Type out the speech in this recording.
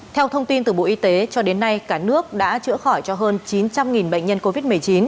theo thông tin từ bộ y tế cho đến nay cả nước đã chữa khỏi cho hơn chín trăm linh bệnh nhân covid một mươi chín